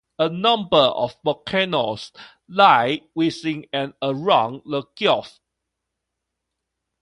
A number of volcanoes lie within and around the gulf.